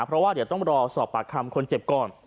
เพราะว่าเดี๋ยวต้องรอสอบปากคำคนเจ็บก่อน